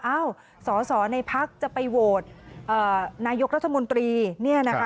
สอสอในพักจะไปโหวตนายกรัฐมนตรีเนี่ยนะคะ